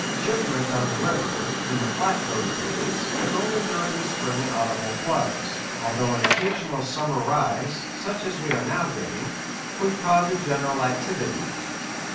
Shipment on the river, in the flatboat days, was only during the spring and autumnal floods; although an occasional summer rise, such as we are now getting, would cause a general activity.